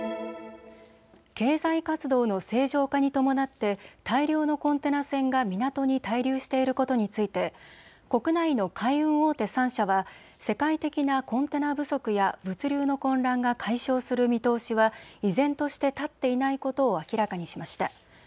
経済活動の正常化に伴って大量のコンテナ船が港に滞留していることについて国内の海運大手３社は世界的なコンテナ不足や物流の混乱が解消する見通しは、依然として立っていないことを明らかにしました。